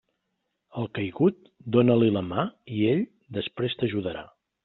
Al caigut, dóna-li la mà i ell després t'ajudarà.